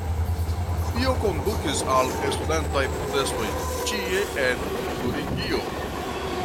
Tio kondukis al studentaj protestoj ĉie en Turingio.